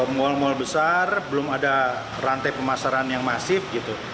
mal mal besar belum ada rantai pemasaran yang masif gitu